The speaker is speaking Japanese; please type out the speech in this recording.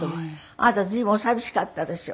あなた随分お寂しかったでしょ？